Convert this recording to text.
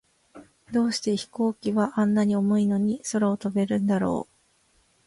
どうして飛行機は、あんなに重いのに空を飛べるんだろう。